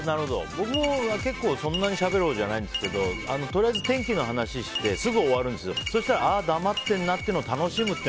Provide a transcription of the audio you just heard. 僕も結構そんなにしゃべるほうじゃないんですけどとりあえず天気の話をしてすぐ終わるんですけどそうしたらああ黙ってんなっていうのを楽しむ。